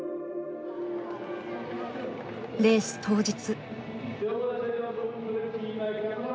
レース当日。